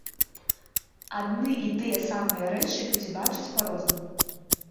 Адны і тыя самыя рэчы людзі бачыць па-рознаму.